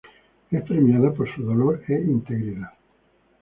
Es premiada por su dolor e integridad.